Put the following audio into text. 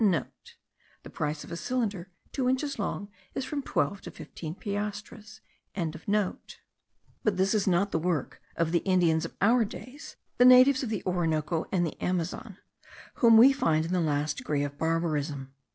(The price of a cylinder two inches long is from twelve to fifteen piastres.) But this is not the work of the Indians of our days, the natives of the Orinoco and the Amazon, whom we find in the last degree of barbarism.